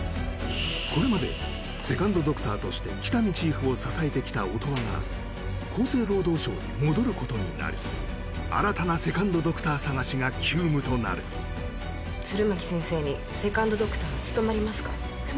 これまでセカンドドクターとして喜多見チーフを支えてきた音羽が厚生労働省に戻ることになりが急務となる弦巻先生にセカンドドクターは務まりますか？